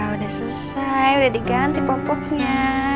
udah selesai udah diganti popoknya